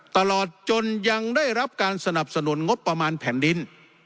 ตลอดจนยังได้รับการสนับสนุนงบประมาณแผ่นดิน